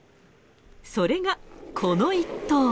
それがこの一投。